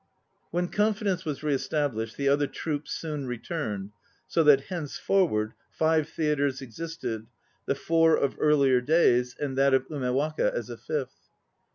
When confidence was re estab lished the other "troupes" soon returned, so that henceforward five theatres existed, the four of earlier days and that of Umewaka as a fifth.